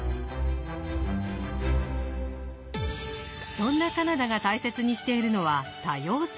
そんなカナダが大切にしているのは多様性。